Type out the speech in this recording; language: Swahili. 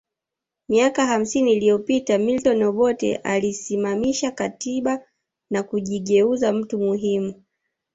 Miaka hamsini iliyopita Milton Obote aliisimamisha katiba na kujigeuza mtu muhimu